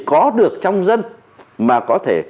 có được trong dân mà có thể